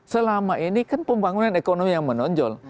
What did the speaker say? selama ini kan pembangunan ekonomi yang menonjol